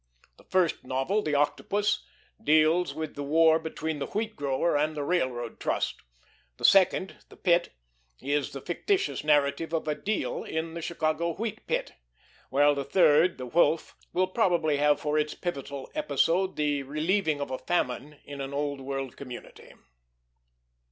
The first novel, "The Octopus," deals with the war between the wheat grower and the Railroad Trust; the second, "The Pit," is the fictitious narrative of a "deal" in the Chicago wheat pit; while the third, "The Wolf," will probably have for its pivotal episode the relieving of a famine in an Old World community.